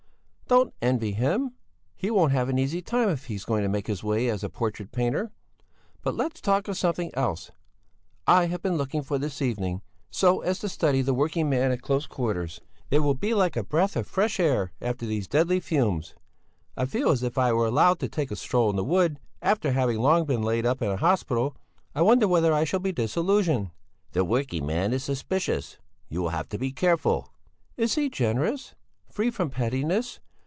"Don't envy him. He won't have an easy time if he's going to make his way as a portrait painter. But let's talk of something else. I have been longing for this evening, so as to study the working man at close quarters. It will be like a breath of fresh air after these deadly fumes; I feel as if I were allowed to take a stroll in the wood, after having long been laid up in a hospital. I wonder whether I shall be disillusioned." "The working man is suspicious; you will have to be careful." "Is he generous? Free from pettiness?